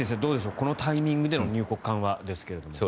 このタイミングでの入国緩和ですが。